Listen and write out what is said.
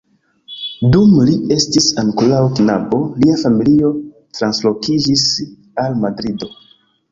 Dum li estis ankoraŭ knabo, lia familio translokiĝis al Madrido.